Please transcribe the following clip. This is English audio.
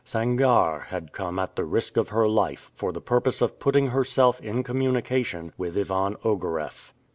Sangarre had come at the risk of her life for the purpose of putting herself in communication with Ivan Ogareff.